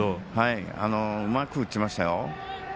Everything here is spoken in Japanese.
うまく打ちましたよ。